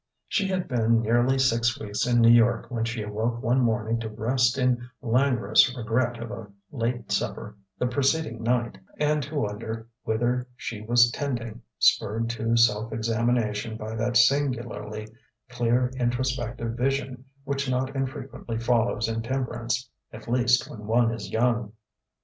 She had been nearly six weeks in New York when she awoke one morning to rest in languorous regret of a late supper the preceding night, and to wonder whither she was tending, spurred to self examination by that singularly clear introspective vision which not infrequently follows intemperance at least, when one is young.